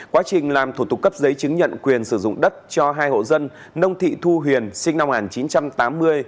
quá trình làm thủ tục cấp giấy chứng nhận quyền sử dụng đất cho hai hộ dân nông thị thu huyền sinh năm một nghìn chín trăm tám mươi